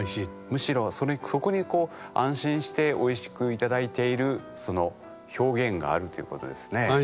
むしろそこにこう安心しておいしく頂いているその表現があるということですね。